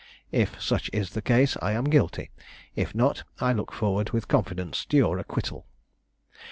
If such is the case, I am guilty; if not, I look forward with confidence to your acquittal.